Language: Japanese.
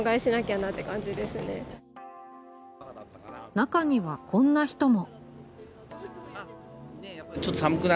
中にはこんな人も。